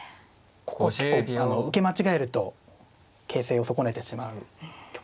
ここは結構受け間違えると形勢を損ねてしまう局面ですから。